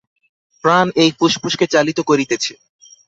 প্রাণ এই ফুসফুসকে চালিত করিতেছে।